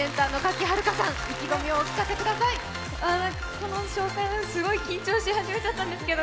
この紹介ですごい緊張し始めちゃったんですけど。